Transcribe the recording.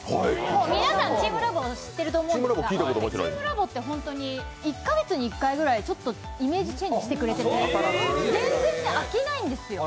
皆さん、チームラボ知ってると思うんですが、１カ月に１回ぐらいちょっとイメージチェンジしてくれてて全然飽きないんですよ。